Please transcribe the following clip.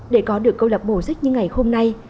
để có được câu lập bộ sách như ngày hôm nay